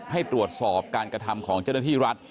ให้ตรวจสอบการกระทำของเจ้าหน้าที่รัฐ